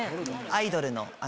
アイドルの。